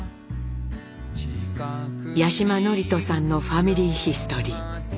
八嶋智人さんのファミリーヒストリー。